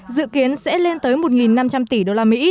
dự kiến sẽ lên tới một năm trăm linh tỷ usd